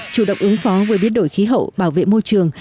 chủ động ứng phó với biến đổi khí hậu bảo vệ môi trường